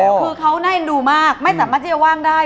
คือเขาน่าเอ็นดูมากไม่สามารถที่จะว่างได้